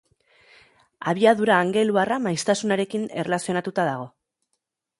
Abiadura angeluarra maiztasunarekin erlazionatuta dago.